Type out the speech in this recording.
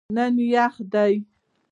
نن یخ دی